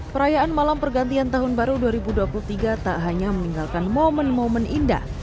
perayaan malam pergantian tahun baru dua ribu dua puluh tiga tak hanya meninggalkan momen momen indah